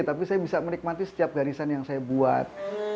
tapi saya bisa menikmati setiap garisan yang saya buat